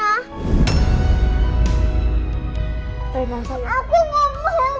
aku gak mau